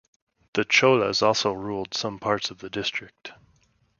The cholas also ruled some parts of the district.